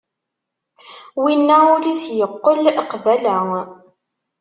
Winna ul-is yeqqel qbala.